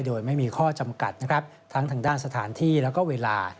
โดยไม่มีข้อจำกัดนะครับทั้งทางด้านสถานที่แล้วก็เวลา